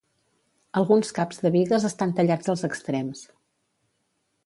Alguns caps de bigues estan tallats als extrems.